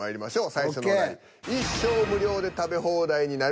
最初のお題。